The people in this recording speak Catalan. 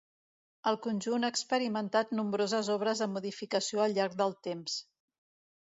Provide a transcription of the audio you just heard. El conjunt ha experimentat nombroses obres de modificació al llarg del temps.